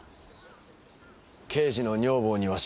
刑事の女房にはしない。